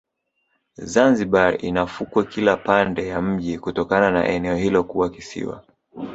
zanzibar ina fukwe Kila pande ya mji kutokana na eneo hilo kuwa kisiwa